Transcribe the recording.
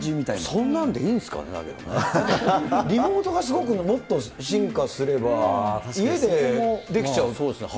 そんなんでいいんですかね、リモートがすごくもっと進化すれば、そうですね。